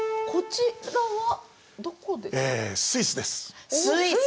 こちらはどこですか？